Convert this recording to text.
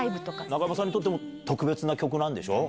中山さんにとっても特別な曲なんでしょう。